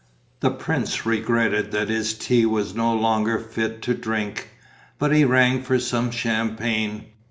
The prince regretted that his tea was no longer fit to drink, but he rang for some champagne.